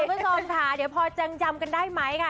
คุณผู้ชมค่ะเดี๋ยวพอจะจำกันได้ไหมค่ะ